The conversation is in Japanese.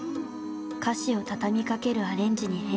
歌詞を畳みかけるアレンジに変更。